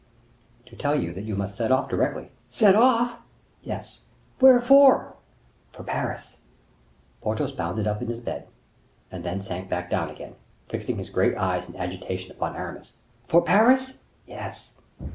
"To tell you that you must set off directly." "Set off?" "Yes." "Where for?" "For Paris." Porthos bounded up in his bed, and then sank back down again, fixing his great eyes in agitation upon Aramis. "For Paris?" "Yes."